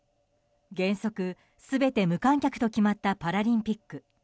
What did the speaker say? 原則全て無観客と決まったパラリンピック。